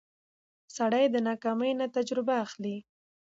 سړی د ناکامۍ نه تجربه اخلي